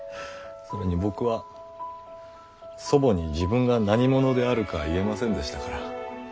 それに僕は祖母に自分が何者であるか言えませんでしたから。